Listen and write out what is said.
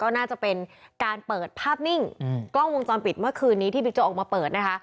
น่าจะเป็นการเปิดภาพนิ่งกล้องวงจรปิดเมื่อคืนนี้ที่บิ๊กโจ๊กออกมาเปิดนะคะ